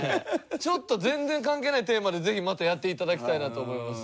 ちょっと全然関係ないテーマでぜひまたやって頂きたいなと思います。